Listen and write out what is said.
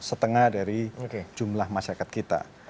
setengah dari jumlah masyarakat kita